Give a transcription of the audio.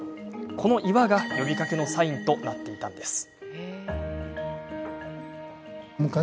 この岩が呼びかけのサインとなっていたんです。